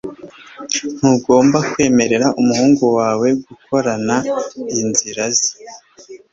Ntugomba kwemerera umuhungu wawe guhorana inzira ze